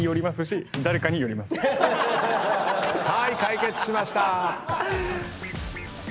はーい解決しました！